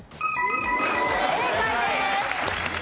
正解です！